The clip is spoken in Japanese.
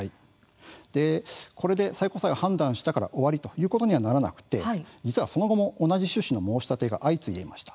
これで最高裁が判断したから終わりということにはならなくて実は、その後も同じ趣旨の申し立てが相次ぎました。